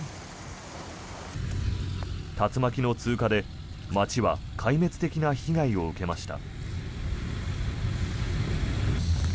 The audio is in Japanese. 竜巻の通過で町は壊滅的な被害を受けました。